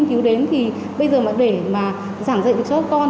thì bây giờ mà để mà giảng dạy cho con